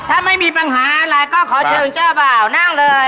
ถ้าไม่มีปัญหาอะไรก็ขอเชิญเจ้าบ่าวนั่งเลย